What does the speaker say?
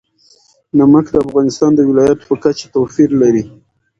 نمک د افغانستان د ولایاتو په کچه توپیر لري.